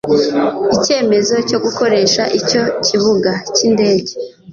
icyemezo cyo gukoresha icyo kibuga cy indege